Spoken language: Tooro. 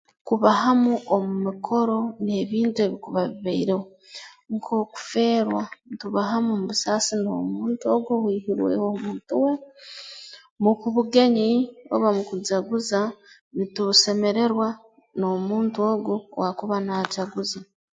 Kuba hamu omu mikoro n'ebintu ebikuba bibaireho nk'okufeerwa ntuba hamu mu busaasi n'omuntu ogu owaihirweho omuntu we n'omu bugenyi oba mukujaguza nitusemererwa n'omuntu ogu owaakuba naajaguza